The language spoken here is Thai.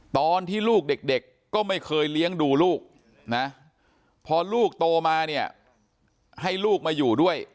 ตอนที่ลูกเด็กก็ไม่เคยเลี้ยงดูลูกนะพอลูกโตมาเนี่ยให้ลูกมาอยู่ด้วย